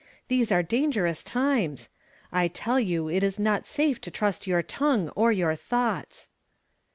These are dangerous times. I tell you it is not safe to trust your tongue or your thoughts."